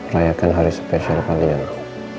rayakan hari spesial paliang